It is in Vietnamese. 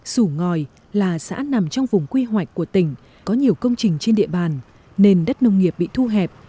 sủ ngòi là xã nằm trong vùng quy hoạch của tỉnh có nhiều công trình trên địa bàn nền đất nông nghiệp bị thu hẹp